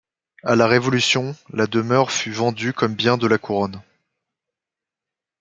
À la Révolution, la demeure fut vendue comme bien de la Couronne.